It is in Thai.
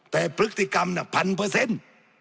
แต่พฤติกรรมน่ะพันเปอร์เซ็นต์